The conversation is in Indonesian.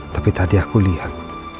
tapi tadi aku lihat